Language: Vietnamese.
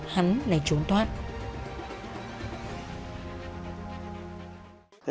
hắn lại trốn thoát